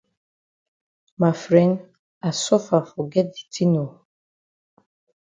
Ma fren I suffer for get di tin oo.